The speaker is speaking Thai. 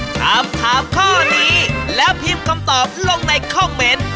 ถามถามข้อนี้แล้วพิมพ์คำตอบลงในคอมเมนต์